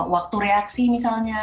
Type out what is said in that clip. waktu reaksi misalnya